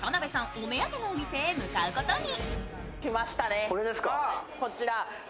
お目当てのお店へ向かうことに。来ましたね。